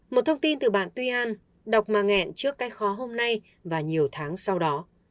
một thông tin từ bạn tuy an đọc mà nghẹn trước cái khó hôm nay và nhiều tháng sau đó